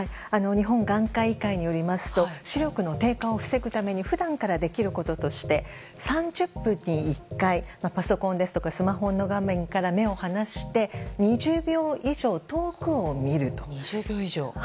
日本眼科医会によりますと視力の低下を防ぐために普段からできることとして３０分に１回パソコンですとかスマホの画面から目を離して２０秒以上、遠くを見ると。